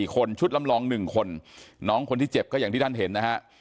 คนชุดลำลอง๑คนน้องคนที่เจ็บก็อย่างที่ท่านเห็นนะฮะ